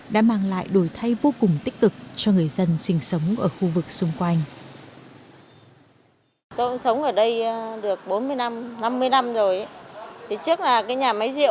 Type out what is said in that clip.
đã mang lại đổi thay vô cùng tích cực cho người dân sinh sống ở khu vực xung quanh